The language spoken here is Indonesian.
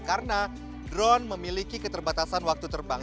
karena drone memiliki keterbatasan waktu terbang